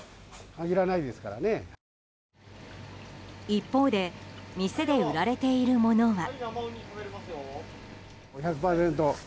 一方で店で売られているものは。